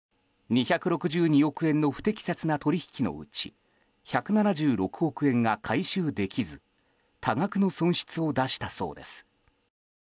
２６２億円の不適切な取引のうち１７６億円が回収できず多額の損失を出したそうです。